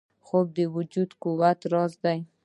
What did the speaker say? خوب د وجود د قوت راز دی